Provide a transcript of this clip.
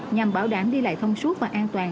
nhằm bảo đảm đi lại thông suốt và an toàn